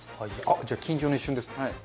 じゃあ緊張の一瞬ですね。